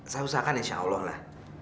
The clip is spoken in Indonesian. saya usahakan insya allah lah